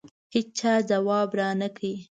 هېچا ځواب رانه کړ.